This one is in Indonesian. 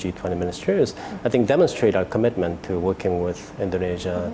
saya rasa itu menunjukkan kepercayaan kami untuk bekerja dengan indonesia